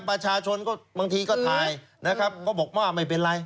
ประชาชนก็บางทีก็ถ่ายนะครับก็บอกว่าไม่เป็นไร